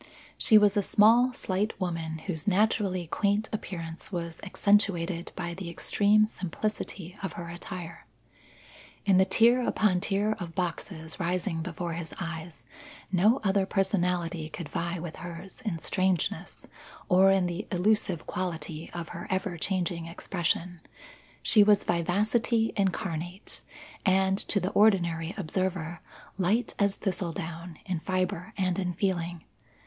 She was a small, slight woman whose naturally quaint appearance was accentuated by the extreme simplicity of her attire. In the tier upon tier of boxes rising before his eyes, no other personality could vie with hers in strangeness, or in the illusive quality of her ever changing expression. She was vivacity incarnate and, to the ordinary observer, light as thistledown in fibre and in feeling.